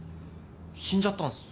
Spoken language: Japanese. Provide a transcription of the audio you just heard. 死んじゃったんす。